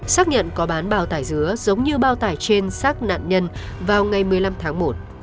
xác nhận có bán bao tải dứa giống như bao tải trên xác nạn nhân vào ngày một mươi năm tháng một